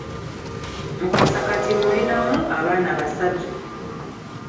Mukasa kati mmulinamu abaana basatu.